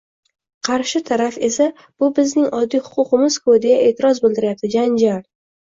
Qarshi taraf esa «bu bizning oddiy huquqimiz-ku» deya e’tiroz bildirayapti. Janjal!